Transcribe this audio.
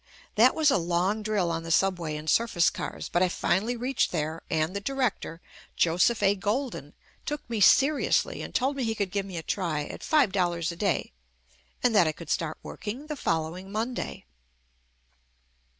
That was a long drill on the subway and surface cars, but I finally reached there and the director, Joseph A. Golden, took me seriously and told me he could give me a try at five dollars a day, and that I could start work ing the following Monday.